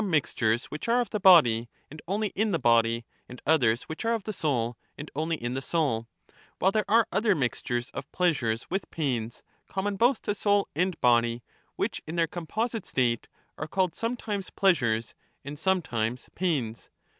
Soc, There are some mixtures which are of the body, and Mixed only in the body, and others which are of the soul, and only Ji^bTof in the soul ; while there are other mixtures of pleasures with the body, pains, common both to soul and body, which in their composite ^^ ^common state are called sometimes pleasures and sometimes pains.